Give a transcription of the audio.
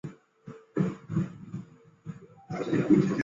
爵波恩君。